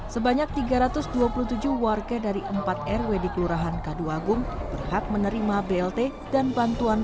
sebanyak tiga ratus dua puluh tujuh warga dari empat rw di kelurahan kaduagung berhak menerima blt dan bantuan